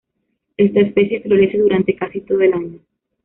Esta especie florece durante casi todo el año.